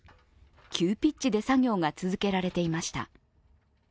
急ピッチで作業が続けられていました。